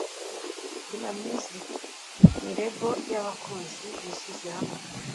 Kina music ni label yabahanzi bishyize hamwe